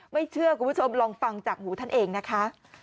ไม่เชื่อคุณผู้ชมลองฟังจากหูท่านเองนะคะ